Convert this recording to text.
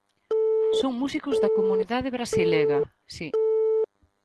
Son músicos da comunidade brasilega, si.